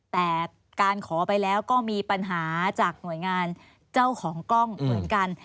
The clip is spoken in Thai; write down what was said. แต่การขอไปแล้วก็มีปัญหาจากหน่วยงานเจ้าของกล้องเหมือนกัน